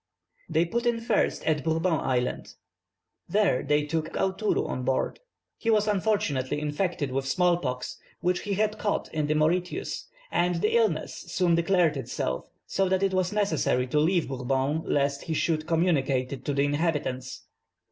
They put in first at Bourbon Island. There they took Aoutourou on board. He was unfortunately infected with small pox, which he had caught in the Mauritius; and the illness soon declared itself, so that it was necessary to leave Bourbon lest he should communicate it to the inhabitants.